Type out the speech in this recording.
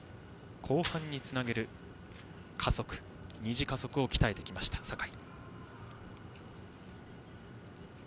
後半につなげる２次加速を鍛えてきた坂井。